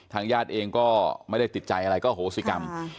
ญาติเองก็ไม่ได้ติดใจอะไรก็โหสิกรรม